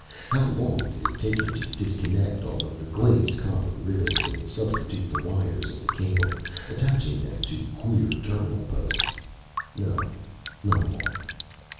How long did it take him to disconnect all of the glazed copper ribbons, and substitute the wires of the cable attaching them to queer terminal posts? No not long.